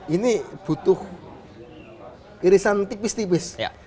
ini butuh irisan tipis tipis